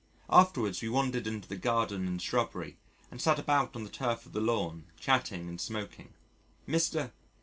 Afterwards, we wandered into the garden and shrubbery and sat about on the turf of the lawn, chatting and smoking. Mr.